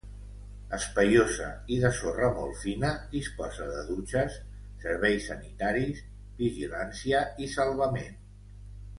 Espaiosa i de sorra molt fina, disposa de dutxes, serveis sanitaris, vigilància i salvament.